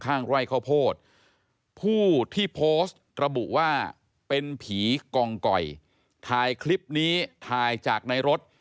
ข้างไร่ข้าวโพดผู้ที่โพสต์ระบุว่าเป็นผีกองกอยถ่ายคลิปนี้ถ่ายจากในรถ